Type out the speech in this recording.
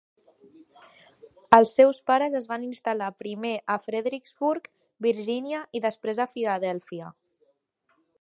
Els seus pares es van instal·lar primer a Fredericksburg, Virgínia, i després a Filadèlfia.